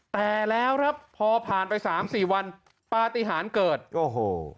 แต่แล้วครับพอผ่านไป๓๔วันปลาติหารเกิดโอ้โห